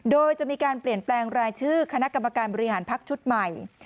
โดยจะมีการเปลี่ยนแปลงรายชื่อคณะกรรมการบริหารพักชุดใหม่